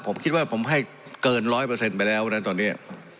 ผมคิดว่าผมให้เกิน๑๐๐ไปแล้วนะตอนนี้